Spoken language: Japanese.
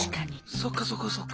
そっかそっかそっか。